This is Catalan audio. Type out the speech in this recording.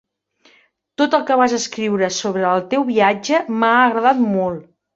Tot el que vas escriure sobre el teu viatge m'ha agradat molt.